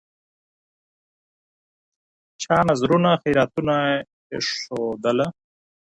چا نذرونه خیراتونه ایښودله